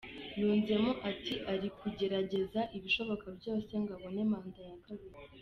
Yunzemo ati “Ari kugerageza ibishoboka byose ngo abone manda ya kabiri.